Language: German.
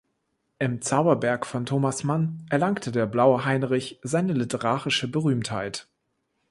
Im "Zauberberg" von Thomas Mann erlangte der Blaue Heinrich seine literarische Berühmtheit.